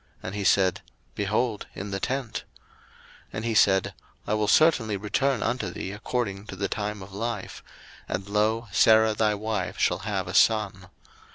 And he said, Behold, in the tent. 01:018:010 And he said, I will certainly return unto thee according to the time of life; and, lo, Sarah thy wife shall have a son.